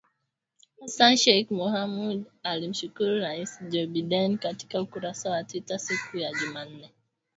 Hassan Sheikh Mohamud alimshukuru Rais Joe Biden katika ukurasa wa Twita siku ya Jumanne